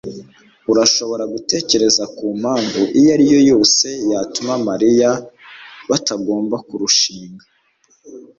Urashobora gutekereza ku mpamvu iyo ari yo yose yatuma na Mariya batagomba kurushinga?